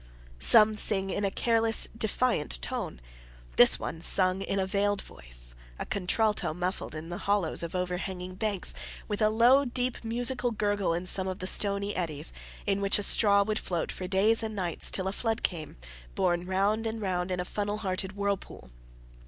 Some sing in a careless, defiant tone. This one sung in a veiled voice, a contralto muffled in the hollows of overhanging banks, with a low, deep, musical gurgle in some of the stony eddies, in which a straw would float for days and nights till a flood came, borne round and round in a funnel hearted whirlpool.